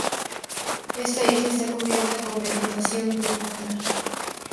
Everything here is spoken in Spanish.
Esta isla está cubierta con vegetación de tundra.